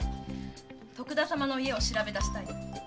徳田様の家を調べだしたいの。